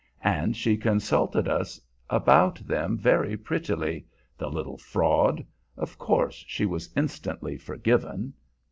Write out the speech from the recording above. And she consulted us about them very prettily the little fraud! Of course she was instantly forgiven.